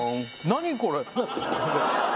何これ？